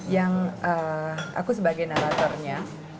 yang aku sebagai narratornya